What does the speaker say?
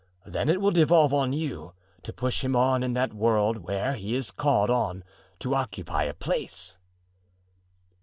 Then it will devolve on you to push him on in that world where he is called on to occupy a place."